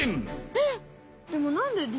えっ！